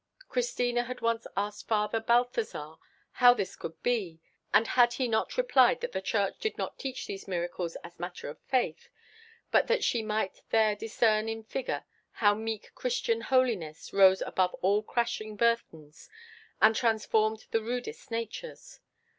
Christina had once asked Father Balthazar how this could be; and had he not replied that the Church did not teach these miracles as matters of faith, but that she might there discern in figure how meek Christian holiness rose above all crushing burthens, and transformed the rudest natures.